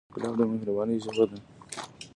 ګلاب د مهربانۍ ژبه ده.